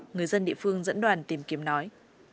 người dân địa phương dẫn đoàn tìm kiếm nói